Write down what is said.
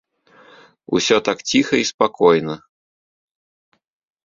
Усё так ціха і спакойна.